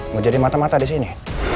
mau jadi mata mata disini